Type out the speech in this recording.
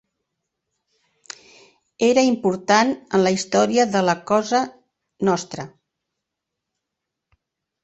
Era important en la història de la Cosa Nostra.